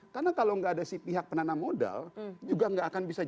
karena kalau gak ada si pihak penanam modal juga gak akan bisa jalan